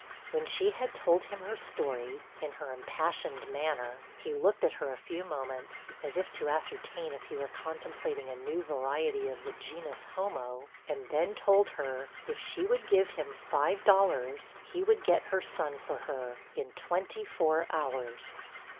When she had told him her story, in her impassioned manner, he looked at her a few moments, as if to ascertain if he were contemplating a new variety of the genus homo, and then told her, if she would give him five dollars, he would get her son for her, in twenty four hours.